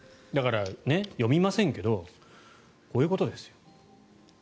だから、読みませんけどこういうことですよ。